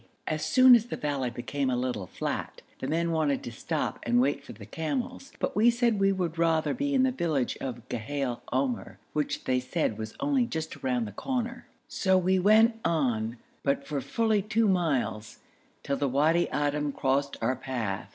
As soon as the valley became a little flat the men wanted to stop and wait for the camels, but we said we would rather be in the village of Ghail Omr, which they said was only just round a near corner. So we went on, but for fully two miles, till the Wadi Adim crossed our path.